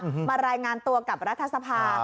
มารายงานตัวกับรัฐสภา